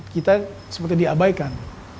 kita seperti diabaikan